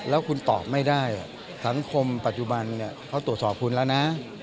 แล้วคุณตอบไม่ได้สังคมปัจจุบันเขาตรวจสอบคุณแล้วนะ